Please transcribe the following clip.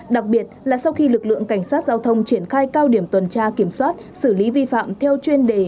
đặc biệt là sau khi lực lượng cảnh sát giao thông triển khai cao điểm tuần tra kiểm soát xử lý vi phạm theo chuyên đề